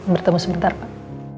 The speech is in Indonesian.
bertemu sebentar pak